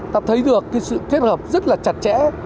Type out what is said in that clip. ta thấy được cái sự kết hợp rất là chặt chẽ